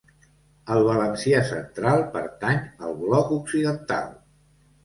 El valencià central pertany al bloc occidental.